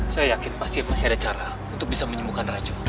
saya yakin pasti masih ada cara untuk bisa menyembuhkan racun